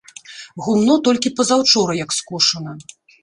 Гумно толькі пазаўчора як скошана.